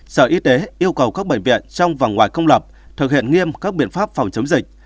sở y tế yêu cầu các bệnh viện trong và ngoài công lập thực hiện nghiêm các biện pháp phòng chống dịch